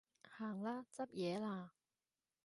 行啦，執嘢啦